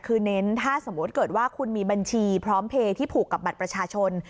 คือเน้นถ้าสมมติเกิดว่าคุณมีบัญชีพร้อมเพลย์ที่ผูกกับบัตรประชาชน